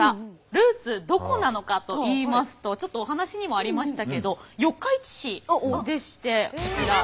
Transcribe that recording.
ルーツどこなのかといいますとちょっとお話にもありましたけど四日市市でしてこちら。